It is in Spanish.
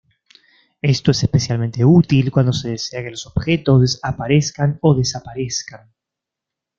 Esto es especialmente útil cuando se desea que los objetos aparezcan o desaparezcan.